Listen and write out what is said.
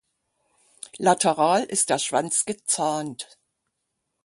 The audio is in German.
Lateral ist der Schwanz gezahnt.